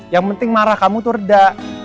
yang penting marah kamu tuh reda